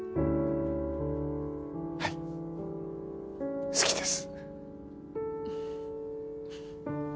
はい好きです